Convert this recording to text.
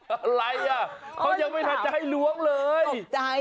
อะไรอ่ะเขายังไม่ทันจะให้ล้วงเลย